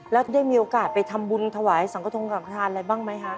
แล้วกินมีโอกาสไปทำบุญหัวสังตรคตละอะไรบ้างไม่คะ